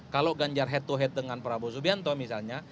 kalau ganjar head to head dengan prabowo subianto misalnya